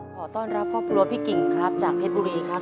ขอต้อนรับครอบครัวพี่กิ่งครับจากเพชรบุรีครับ